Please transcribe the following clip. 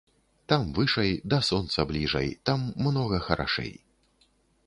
Там вышай, да сонца бліжай, там многа харашэй.